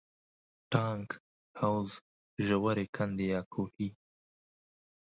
ټانک، حوض، ژورې کندې یا کوهي.